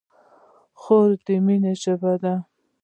خور د مینې ژبه ده.